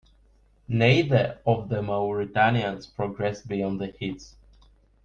Neither of the Mauritanians progressed beyond the heats.